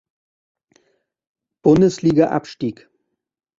Bundesliga abstieg.